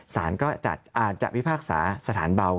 สารก็จัดอาจจะพิพากษาสถานเบา